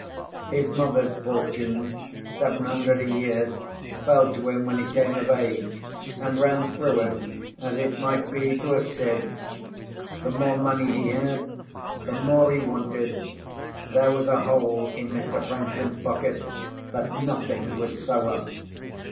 His mother's fortune (seven hundred a year) fell to him when he came of age, and ran through him, as it might be through a sieve. The more money he had, the more he wanted; there was a hole in Mr. Franklin's pocket that nothing would sew up.